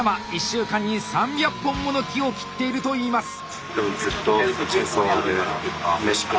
１週間に３００本もの木を切っているといいます。